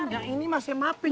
yang ini mah saya maafin